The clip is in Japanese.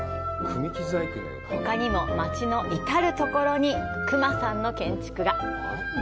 ほかにも町の至るところに隈さんの建築が。